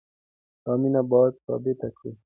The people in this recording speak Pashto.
دا مینه باید ثابته کړو.